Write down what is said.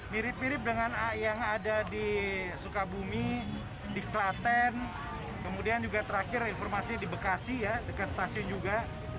mirip mirip dengan yang ada di sukabumi di klaten kemudian juga terakhir informasi di bekasi ke stasiun juga